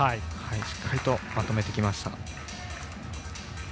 しっかりとまとめてきました。